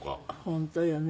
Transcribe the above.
本当よね。